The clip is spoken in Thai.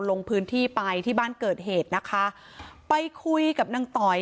ลงพื้นที่ไปที่บ้านเกิดเหตุนะคะไปคุยกับนางต่อย